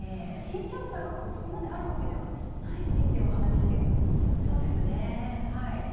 身長差がそこまであるわけではないのにというお話でしたね。